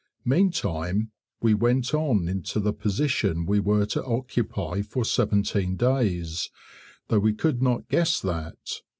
Meantime we went on into the position we were to occupy for seventeen days, though we could not guess that.